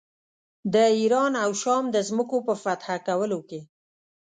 د ایران او شام د ځمکو په فتح کولو کې.